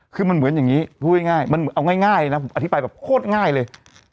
คือมันเหมือนอย่างนี้พูดง่ายมันเอาง่ายนะผมอธิบายแบบโคตรง่ายเลย